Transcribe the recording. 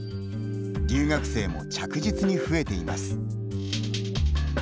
留学生も着実に増えています。